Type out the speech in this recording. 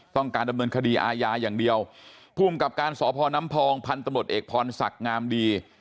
ต้องการดำเนินคดีอาญาอย่างเดียวภูมิกับการสพน้ำพองพันธุ์ตำรวจเอกพรศักดิ์งามดี